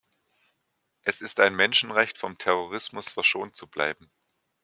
Es ist ein Menschenrecht, vom Terrorismus verschont zu bleiben.